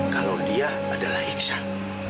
kalau dia adalah iksan